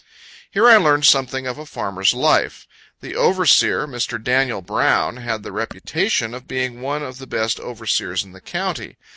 Here I learned something of a farmer's life. The overseer, Mr. Daniel Brown, had the reputation of being one of the best overseers in the county.